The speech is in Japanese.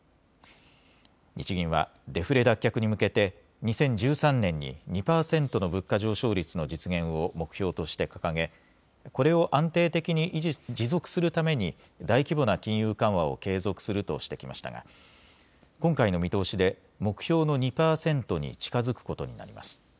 日銀はデフレ脱却に向けて２０１３年に２％の物価上昇率の実現を目標として掲げこれを安定的に持続するために大規模な金融緩和を継続するとしてきましたが今回の見通しで目標の２％に近づくことになります。